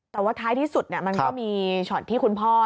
แต่ว่าท้ายที่สุดมันก็มีช็อตที่คุณพ่อ